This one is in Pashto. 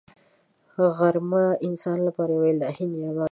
غرمه د انسان لپاره یو الهي نعمت دی